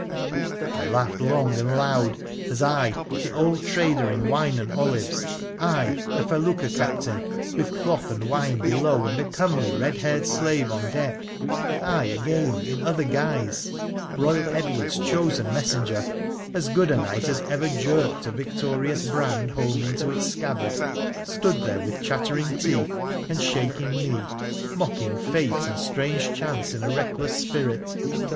I laughed long and loud as I, the old trader in wine and olives — I, the felucca captain, with cloth and wine below and a comely red haired slave on deck — I, again, in other guise, Royal Edward's chosen messenger — as good a knight as ever jerked a victorious brand home into its scabbard — stood there with chattering teeth and shaking knee, mocking fate and strange chance in reckless spirit.